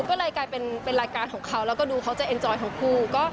ก็เลยกลายเป็นรายการของเขาแล้วก็ดูเขาจะสนใจของกู